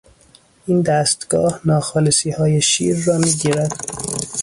این دستگاه ناخالصیهای شیر را میگیرد.